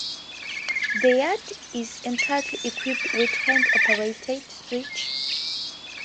The yard is entirely equipped with hand-operated switches.